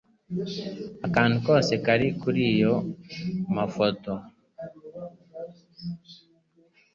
akantu kose kari kuri ayo mafoto